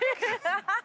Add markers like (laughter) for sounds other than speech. ハハハ (laughs)